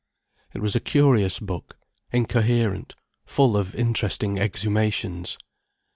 It was a curious book, incoherent, full of interesting exhumations.